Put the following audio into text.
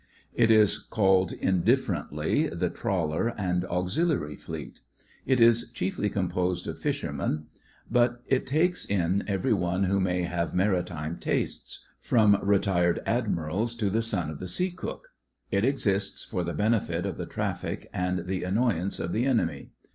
It is called indifferently the Trawler and Auxiliary Fleet. It is chiefly composed of fishermen, but it takes THE FRINGES OF THE FLEET 9 in every one who may have maritime tastes — from retired admirals to the son of the sea cook. It exists for the benefit of the traffic and the annoy ance of the enemy.